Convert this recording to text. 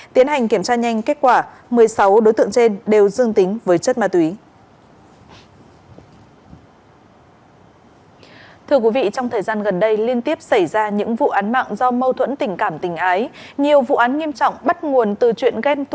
tiến hành kiểm tra nhanh kết quả một mươi sáu đối tượng trên đều dương tính với chất ma túy